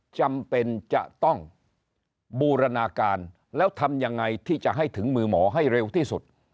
จำเป็นจะต้องบูรณาการแล้วทำยังไงที่จะให้ถึงมือหมอให้เร็วที่สุด